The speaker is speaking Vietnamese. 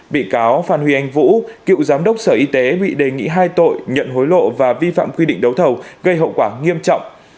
bị cáo phan huy anh vũ cựu giám đốc sở y tế bị đề nghị hai tội nhận hối lộ và vi phạm quy định đấu thầu gây hậu quả nghiêm trọng